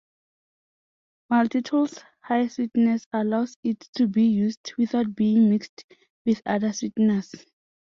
Maltitol's high sweetness allows it to be used without being mixed with other sweeteners.